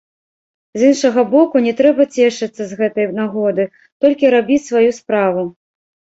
З іншага боку, не трэба цешыцца з гэтай нагоды, толькі рабіць сваю справу.